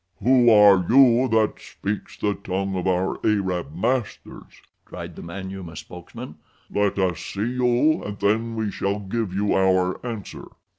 "Who are you that speaks the tongue of our Arab masters?" cried the Manyuema spokesman. "Let us see you, and then we shall give you our answer."